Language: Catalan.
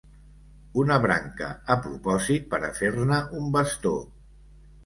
Una branca a propòsit per a fer-ne un bastó.